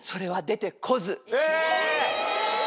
え！